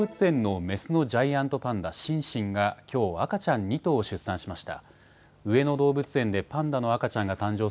東京上野動物園のメスのジャイアントパンダ、シンシンがきょう赤ちゃん２頭を出産しました。